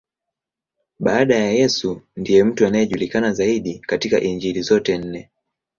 Baada ya Yesu, ndiye mtu anayejulikana zaidi katika Injili zote nne.